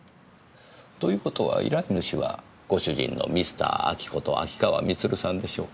という事は依頼主はご主人のミスター・アキこと秋川満さんでしょうか？